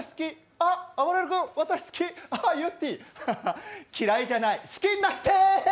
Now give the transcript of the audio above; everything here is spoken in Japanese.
あっ、あばれる君、私好き、あ、ゆってぃ、きらいじゃない、好きになってー！